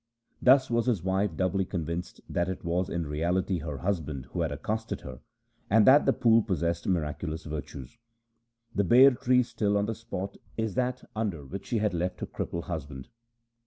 Thus was his wife doubly convinced that it was in reality her husband who had accosted her, and that the pool possessed miraculous virtues. The ber tree still on the spot is that under which she left her crippled husband.